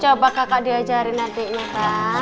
coba kakak diajarin nanti mbak